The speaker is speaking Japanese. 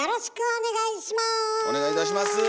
お願いいたします。